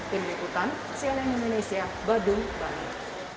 tim ikutan cln indonesia badung bali